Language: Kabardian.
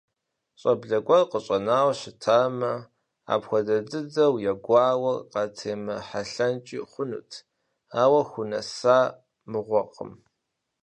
ЩӀэблэ гуэр къыщӀэнауэ щытамэ, апхуэдэ дыдэу я гуауэр къатемыхьэлъэнкӀи хъунт, ауэ хунэса мыгъуэкъым…